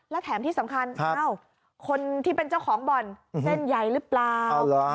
และแถมที่สำคัญครับคนที่เป็นเจ้าของบ่อนเส้นใยหรือเปล่าอ๋อเหรอ